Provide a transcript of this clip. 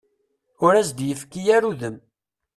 Ur as-d-yefki ara udem.